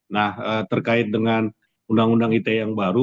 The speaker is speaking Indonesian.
nah terkait dengan undang undang ite yang baru